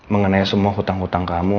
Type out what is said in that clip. mengenai semua hutang hutang kamu